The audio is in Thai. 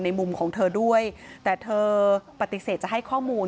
มุมของเธอด้วยแต่เธอปฏิเสธจะให้ข้อมูล